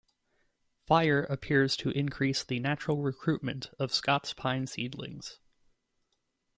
Fire appears to increase the natural recruitment of Scots pine seedlings.